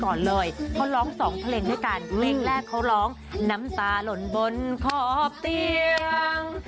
ก่อนเลยเขาร้องสองเพลงด้วยกันเพลงแรกเขาร้องน้ำตาหล่นบนขอบเตียง